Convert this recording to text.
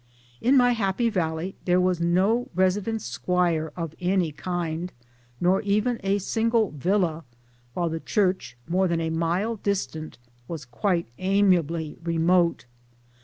In my happy valley, there was no resident squire of any kind, nor even a single " villa," while the church, more than a mile distant, was quite amiably remote